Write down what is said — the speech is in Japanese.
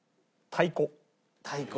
太鼓。